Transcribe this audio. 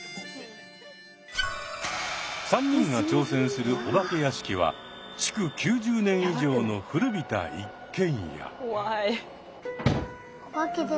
３人が挑戦するお化け屋敷は築９０年以上の古びた一軒家。